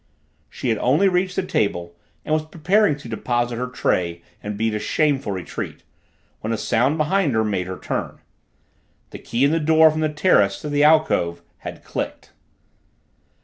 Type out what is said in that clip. She had only reached the table and was preparing to deposit her tray and beat a shameful retreat, when a sound behind her made her turn. The key in the door from the terrace to the alcove had clicked.